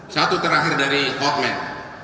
satu terakhir dari hotman